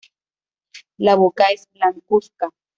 La boca es blancuzca.